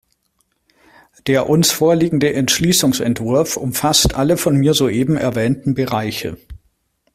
Der uns vorliegende Entschließungsentwurf umfasst alle von mir soeben erwähnten Bereiche.